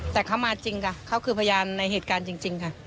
แต่เขามาจริงค่ะเขาคือพยานในเหตุการณ์จริงค่ะ